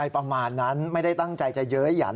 ประมาณนั้นไม่ได้ตั้งใจจะเย้ยหยัด